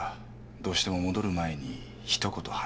どうしても戻る前にひと言話したいって。